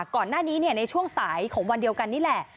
ก่อนหน้านี้ในช่วงสายของวันเดียวกันนี่แหละ